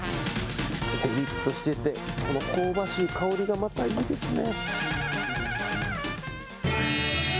ぷりっとしてて、この香ばしい香りが、またいいですね。